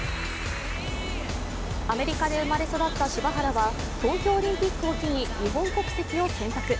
アメリカで生まれ育った柴原は、東京オリンピックを機に日本国籍を選択。